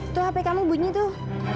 tuh hp kamu bunyi tuh